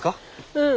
うん。